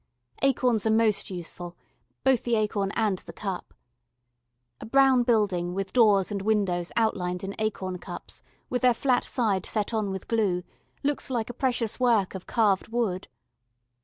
Acorns are most useful, both the acorn and the cup. A brown building with doors and windows outlined in acorn cups with their flat side set on with glue looks like a precious work of carved wood.